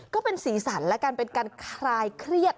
ก็เป็นสีสันแล้วกันเป็นการคลายเครียด